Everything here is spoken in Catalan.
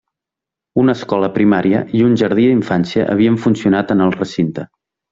Una escola primària i un jardí d'infància havien funcionat en el recinte.